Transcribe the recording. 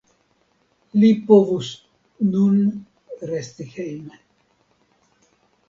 Li povus nun resti hejme.